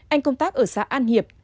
anh công tác ở xã an hiệp